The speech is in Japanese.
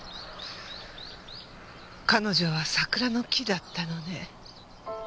彼女は桜の木だったのね。